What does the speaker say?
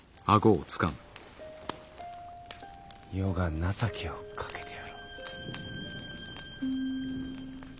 余が情けをかけてやろう。